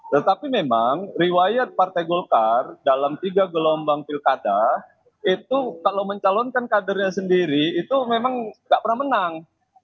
tetapi memang riwayat partai golkar dalam tiga gelombang pilkada itu kalau mencalonkan kadernya sendiri itu memang tidak pernah menang